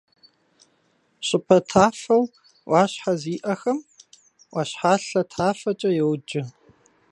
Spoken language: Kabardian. ЩӀыпӀэ тафэу Ӏуащхьэ зиӀэхэм — Ӏуащхьалъэ тафэкӀэ йоджэ.